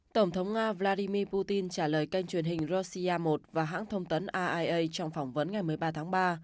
tổng thống nga vladimir putin trả lời kênh truyền hình rossia một và hãng thông tấn aia trong phỏng vấn ngày một mươi ba tháng ba